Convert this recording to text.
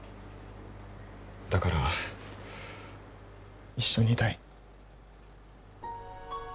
だから一緒にいたい。